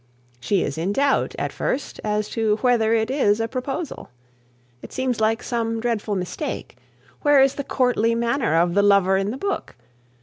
She is in doubt, at first, as to whether it is a proposal. It seems like some dreadful mistake. Where is the courtly manner of the lover in the book?